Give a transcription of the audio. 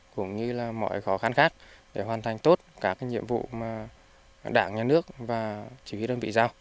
cũng như mọi khó khăn khác để hoàn thành tốt các nhiệm vụ mà đảng nhà nước và chỉ huy đơn vị giao